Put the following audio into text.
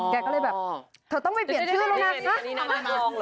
แกก็เลยแบบเธอต้องไปเปลี่ยนชื่อเลยนะนะคะทีเรนอันนี้หน้าธองหรือลูก